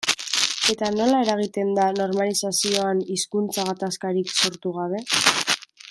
Eta nola eragiten da normalizazioan hizkuntza gatazkarik sortu gabe?